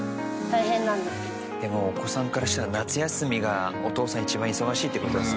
でもお子さんからしたら夏休みがお父さん一番忙しいって事ですよね。